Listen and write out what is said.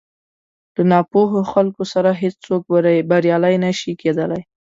له ناپوهو خلکو سره هېڅ څوک بريالی نه شي کېدلی.